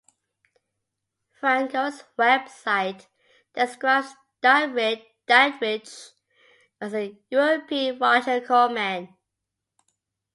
Franco's web site describes Dietrich as the European Roger Corman.